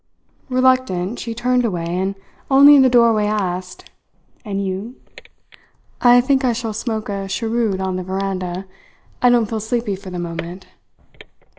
Reluctant she turned away, and only in the doorway asked: "And you?" "I think I shall smoke a cheroot on the veranda. I don't feel sleepy for the moment."